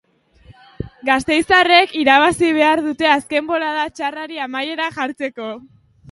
Gasteiztarrek irabazi behar dute azken bolada txarrari amaiera jartzeko.